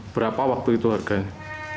berapa waktu itu harganya